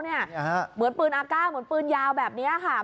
เหมือนปืนอากาศเหมือนปืนยาวแบบนี้ค่ะ